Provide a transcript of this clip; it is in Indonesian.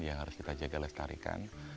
yang harus kita jaga lestarikan